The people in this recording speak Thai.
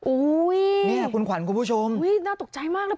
อุ้ยเนี่ยคุณขวัญคุณผู้ชมน่าตกใจมากเลย